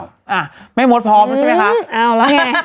อ้าแม่โมทพร้อมใช่ไหมคะอ้าวแล้วไง